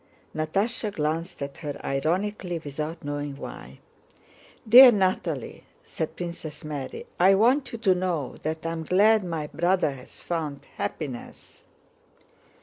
Natásha glanced at her ironically without knowing why. "Dear Natalie," said Princess Mary, "I want you to know that I am glad my brother has found happiness...."